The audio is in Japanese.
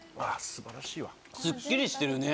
すっきりしてるね。